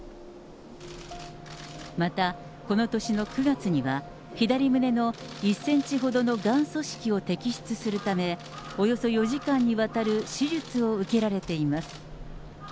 また、この年の９月には、左胸の１センチほどのがん組織を摘出するため、およそ４時間にわたる手術を受けられています。